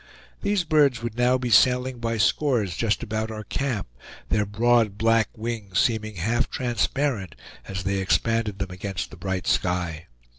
These birds would now be sailing by scores just about our camp, their broad black wings seeming half transparent as they expanded them against the bright sky.